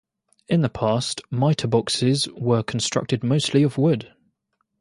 In the past, mitre boxes were constructed mostly of wood.